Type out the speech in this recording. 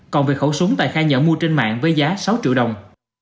còn về khẩu súng tài khai nhận mua trên mạng với giá sáu triệu đồng